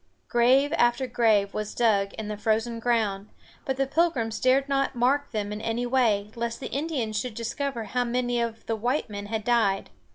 Grave after grave was dug in the frozen ground, but the Pilgrims dared not mark them in any way, lest the Indians should discover how many of the white men had died.